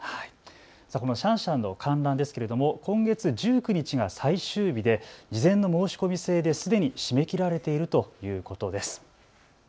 このシャンシャンの観覧ですけれども今月１９日が最終日で事前の申し込み制で、すでに締め切られているということです。